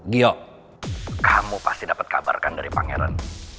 gio kamu pasti dapet kabar kan dari pangeran